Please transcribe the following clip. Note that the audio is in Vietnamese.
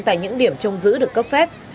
tại những điểm trông giữ được cấp phép